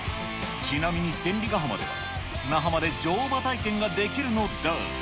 ちなみに千里ヶ浜では、砂浜で乗馬体験ができるのだ。